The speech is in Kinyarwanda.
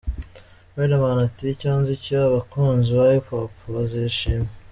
Riderman ati 'Icyo nzi cyo abakunzi ba hiphop bazishima'.